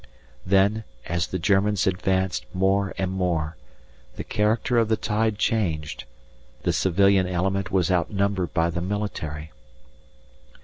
Then, as the Germans advanced more and more, the character of the tide changed, the civilian element was outnumbered by the military.